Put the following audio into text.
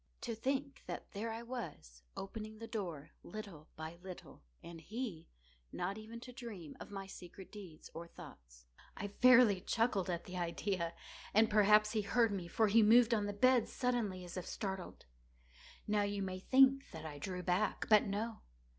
To think that there I was, opening the door, little by little, and he not even to dream of my secret deeds or thoughts. I fairly chuckled at the idea; and perhaps he heard me; for he moved on the bed suddenly, as if startled. Now you may think that I drew back—but no.